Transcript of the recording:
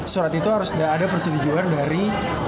surat itu harus ada persetujuan dari